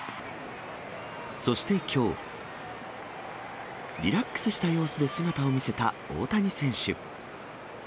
そしてきょう、リラックスした様子で姿を見せた大谷選手。